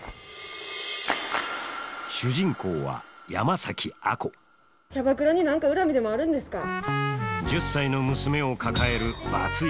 主人公は山崎亜子キャバクラに何か恨みでもあるんですか？